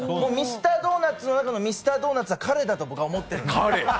ミスタードーナツの中のミスタードーナツは彼だと僕は思ってます。